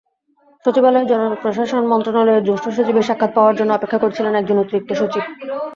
সচিবালয়ে জনপ্রশাসন মন্ত্রণালয়ের জ্যেষ্ঠ সচিবের সাক্ষাৎ পাওয়ার জন্য অপেক্ষা করছিলেন একজন অতিরিক্ত সচিব।